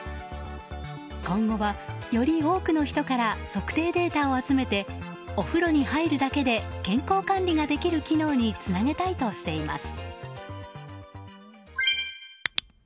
今後は、より多くの人から測定データを集めてお風呂に入るだけで健康管理ができる機能につなげたいとしています。